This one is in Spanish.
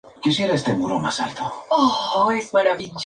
Potato J.; Bol.